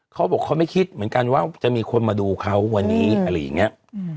เขาบอกเขาไม่คิดเหมือนกันว่าจะมีคนมาดูเขาวันนี้อะไรอย่างนี้